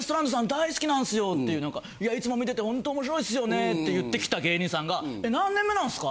大好きなんすよっていう何かいやいつも見ててほんと面白いっすよねって言ってきた芸人さんがえ何年目なんですか？